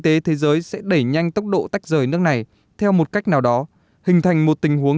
tế thế giới sẽ đẩy nhanh tốc độ tách rời nước này theo một cách nào đó hình thành một tình huống